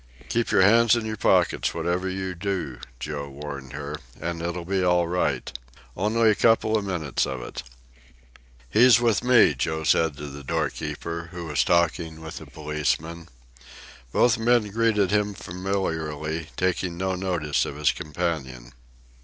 "Keep your hands in your pockets whatever you do," Joe warned her, "and it'll be all right. Only a couple of minutes of it." "He's with me," Joe said to the door keeper, who was talking with a policeman. Both men greeted him familiarly, taking no notice of his companion.